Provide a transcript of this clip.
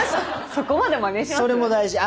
そこまでマネします？